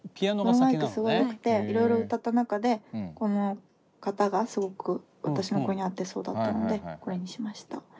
このマイクすごいよくていろいろ歌った中でこのかたがすごく私の声に合ってそうだったのでこれにしました。